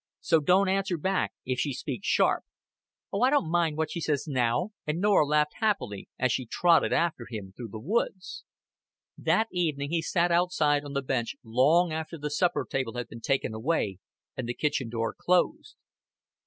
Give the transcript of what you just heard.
So don't answer back if she speaks sharp." "Oh, I don't mind what she says now;" and Norah laughed happily as she trotted after him through the trees. That evening he sat outside on the bench long after the supper table had been taken away and the kitchen door closed.